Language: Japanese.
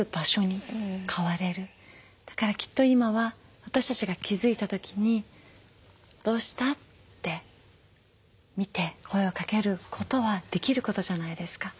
だからきっと今は私たちが気付いた時に「どうした？」って見て声をかけることはできることじゃないですか。